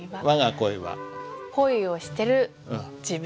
恋をしてる自分。